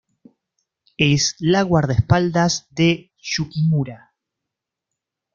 Es la guardaespaldas de Yukimura.